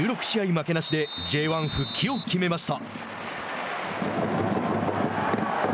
負けなしでＪ１復帰を決めました。